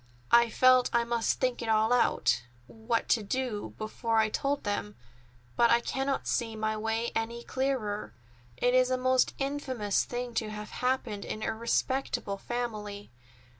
I felt I must think it all out—what to do—before I told them; but I cannot see my way any clearer. It is a most infamous thing to have happened in a respectable family.